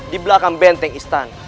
di belakang benteng istana